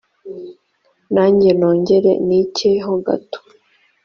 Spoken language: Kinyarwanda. nanjye nongere ncye ho gato